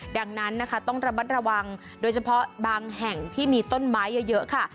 ดังนั้นนะคะต้องระมัดระวังโดยเฉพาะบางแห่งที่มีต้นไม้เยอะค่ะ